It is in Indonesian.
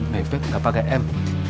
beb beb gak pakai m